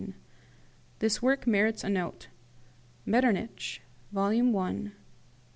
This work merits a note. Metternich (vol, i. pp.